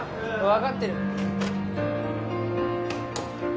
分かってる